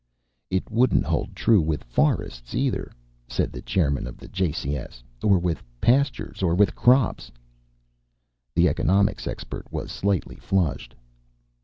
"It wouldn't hold true with forests, either," said the chairman of the JCS. "Or with pastures or with crops." The economics expert was slightly flushed.